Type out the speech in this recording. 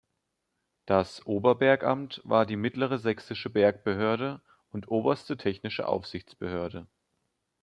Das Oberbergamt war die mittlere sächsische Bergbehörde und oberste technische Aufsichtsbehörde.